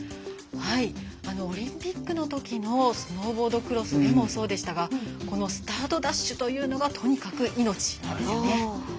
オリンピックのときのスノーボードクロスでもそうでしたがこのスタートダッシュというのがとにかく命なんですよね。